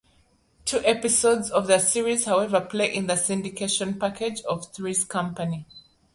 Two episodes of the series, however, play in the syndication package of "Three's Company".